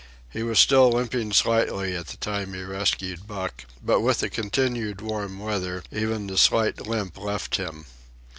He was still limping slightly at the time he rescued Buck, but with the continued warm weather even the slight limp left him.